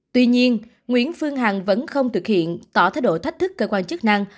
tuy nhiên nguyễn phương hằng vẫn không thực hiện tỏ thái độ thách thức cơ quan chức năng